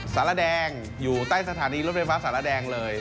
สรรพลาเด็งอยู่ใต้สถานีรถไฟฟ้าสรรพลาเด็งเลย